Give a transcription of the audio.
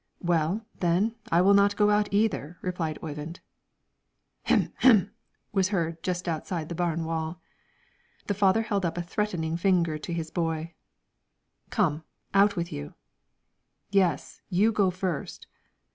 "Well, then, I will not go out either," replied Oyvind. "Hem, hem!" was heard just outside of the barn wall. The father held up a threatening finger to his boy. "Come, out with you!" "Yes; you go first!"